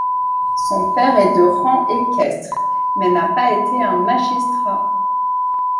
Son père est de rang équestre, mais n'a pas été un magistrat.